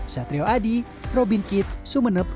satrio adi robin kitt sumeneb